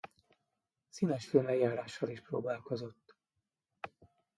Színesfilm-eljárással is próbálkozott.